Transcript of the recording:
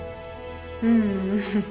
うん。